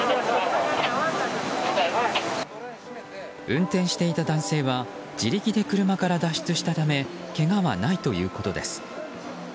運転していた男性は自力で車から脱出したためけがはないということです。